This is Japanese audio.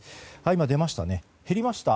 今、出ました。